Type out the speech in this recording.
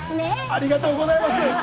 ありがとうございます。